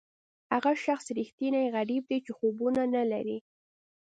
هغه شخص ریښتینی غریب دی چې خوبونه نه لري.